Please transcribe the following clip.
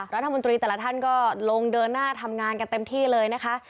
รัฐมนตรีแต่ละท่านก็ลงเดินหน้าทำงานกันเต็มที่เลยนะคะ